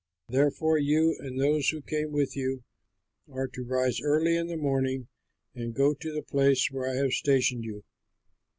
Therefore, you and those who came with you are to rise early in the morning, and go to the place where I have stationed you.